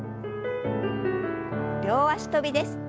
両脚跳びです。